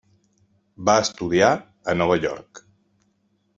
Va estudiar a Nova York.